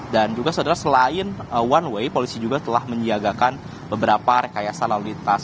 dan juga saudara selain one way polisi juga telah menjagakan beberapa rekayasa lalu lintas